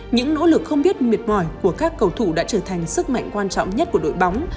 những nỗ lực không biết mệt mỏi của các cầu thủ đã trở thành sức mạnh quan trọng nhất của đội bóng